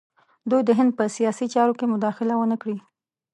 دوی د هند په سیاسي چارو کې مداخله ونه کړي.